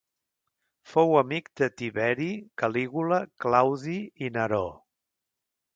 Fou amic de Tiberi, Calígula, Claudi i Neró.